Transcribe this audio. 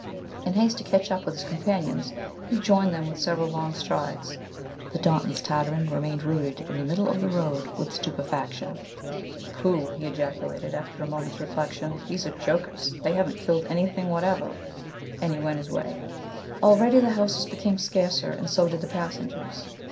In haste to catch up with his companions, he joined them with several long strides. The dauntless Tartarin remained rooted in the middle of the road with stupefaction. "Pooh!" he ejaculated, after a moment's reflection, "these are jokers. They haven't killed anything whatever," and he went his way. Already the houses became scarcer, and so did the passengers.